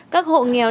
các hộ nghèo